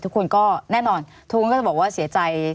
ทุกคนก็แน่นอนทุกท่านก็จะบอกว่าเสียใจ